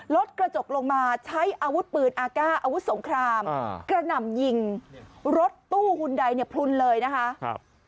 รถกระจกลงมาใช้อาวุธปืนอาก้าอาวุธสงครามกระหน่ำยิงรถตู้หุ่นใดเนี่ยพลุนเลยนะคะ